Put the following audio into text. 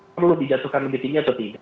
perlu dijatuhkan lebih tinggi atau tidak